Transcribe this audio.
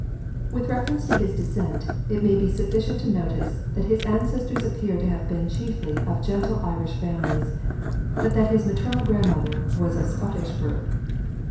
With reference to his descent, it may be sufficient to notice that his ancestors appear to have been chiefly of gentle Irish families, but that his maternal grandmother was of Scottish birth.